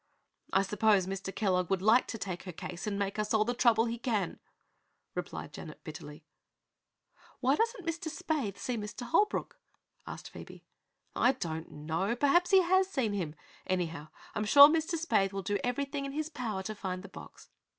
"I suppose Mr. Kellogg would like to take her case and make us all the trouble he can," replied Janet bitterly. "Why doesn't Mr. Spaythe see Mr. Holbrook?" asked Phoebe. "I don't know. Perhaps he has seen him. Anyhow, I'm sure Mr. Spaythe will do everything in his power to find the box.